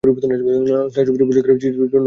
ছায়াছবিটি পরিচালনা করেছেন চিত্রনায়ক বুলবুল আহমেদ।